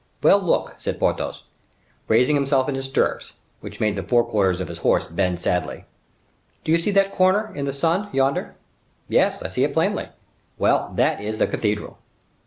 "Well, look!" said Porthos, raising himself in his stirrups, which made the fore quarters of his horse bend sadly,—"do you see that corner, in the sun, yonder?" "Yes, I see it plainly." "Well, that is the cathedral."